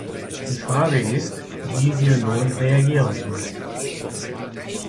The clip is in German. Die Frage ist, wie wir nun reagieren sollen.